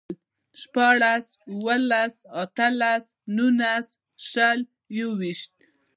شپاړس، اووهلس، اتهلس، نولس، شل، يوويشت